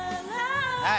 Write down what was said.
はい。